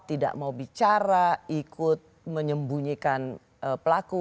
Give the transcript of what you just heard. tidak mau bicara ikut menyembunyikan pelaku